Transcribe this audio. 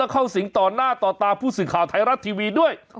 เข้าสิงต่อหน้าต่อตาผู้สื่อข่าวไทยรัฐทีวีด้วย